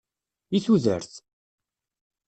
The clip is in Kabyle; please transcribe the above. I tudert!